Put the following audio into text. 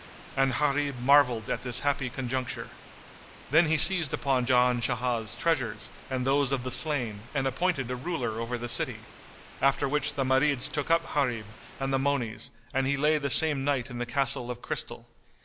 And Gharib marvelled at this happy conjuncture. Then he seized upon Jan Shah's treasures and those of the slain and appointed a ruler over the city; after which the Marids took up Gharib and the monies and he lay the same night in the Castle of Crystal.